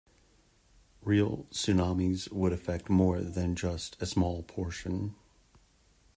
Real tsunamis would affect more than just a small portion.